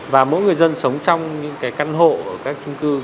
và mỗi người dân sống trong những căn hộ các chung cư